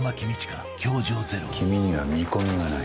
君には見込みがない。